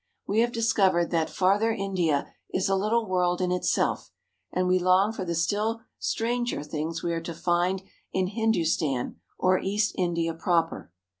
We have discovered that Farther India is a little world in itself, and we long for the still stranger things we are to find in Hindustan or East India proper.